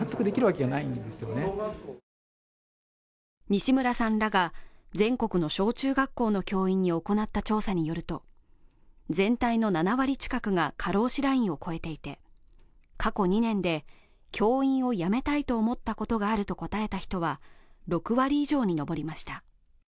西村さんらが全国の小中学校の教員に行った調査によると、全体の７割近くが過労死ラインを超えていて、過去２年で、教員を辞めたいと思ったことがあると答えた人は６割以上に上りました。